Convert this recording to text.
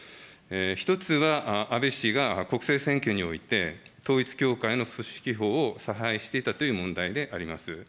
１つは、安倍氏が国政選挙において、統一教会の組織票を差配していたという問題であります。